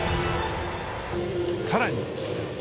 さらに。